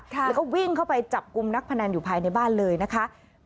แล้วก็วิ่งเข้าไปจับกลุ่มนักพนันอยู่ภายในบ้านเลยนะคะ